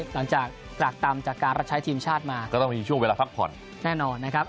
หลังจากตรากต่ำจากการรับใช้ทีมชาติมาก็ต้องมีช่วงเวลาพักผ่อนแน่นอนนะครับ